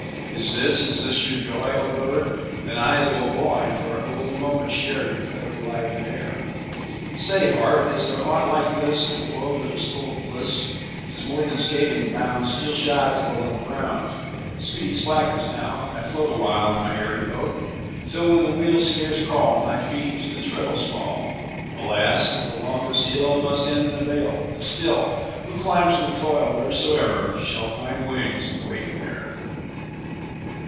'Is this, is this your joy? O bird, then I, though a boy 10 For a golden moment share Your feathery life in air!' Say, heart, is there aught like this In a world that is full of bliss? 'Tis more than skating, bound 15 Steel shod to the level ground. Speed slackens now, I float Awhile in my airy boat; Till, when the wheels scarce crawl, My feet to the treadles fall. 20 Alas, that the longest hill Must end in a vale; but still, Who climbs with toil, wheresoe'er, Shall find wings waiting there.